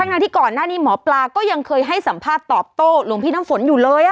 ทั้งที่ก่อนหน้านี้หมอปลาก็ยังเคยให้สัมภาษณ์ตอบโต้หลวงพี่น้ำฝนอยู่เลย